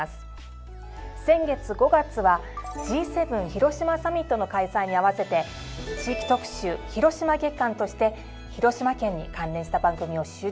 先月５月はＧ７広島サミットの開催に合わせて地域特集・広島月間として広島県に関連した番組を集中的に編成。